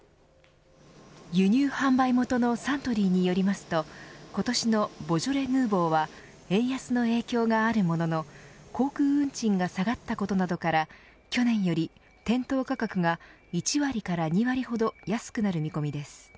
輸入販売元のサントリーによりますと今年のボジョレ・ヌーボーは円安の影響があるものの航空運賃が下がったことなどから去年より店頭価格が１割から２割ほど安くなる見込みです。